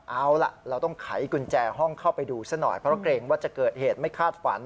เอาล่ะเราต้องไขกุญแจห้องเข้าไปดูซะหน่อยเพราะเกรงว่าจะเกิดเหตุไม่คาดฝัน